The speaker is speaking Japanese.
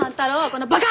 このバカ！